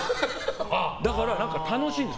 だから楽しいんです。